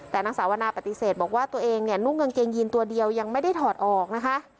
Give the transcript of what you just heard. แต่นางสาวนาปฏิเสธบอกว่าตัวเองเนี่ยนุ่งกางเกงยีนตัวเดียวยังไม่ได้ถอดออกนะคะ